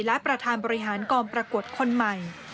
และประธานบริหารกองประกวดคนใหม่